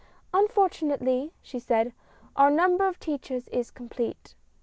" Unfortunately," she said, " our number of teachers is complete."